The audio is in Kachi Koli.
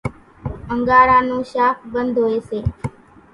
انڳارا نون شاک ٻنڌ هوئيَ سي۔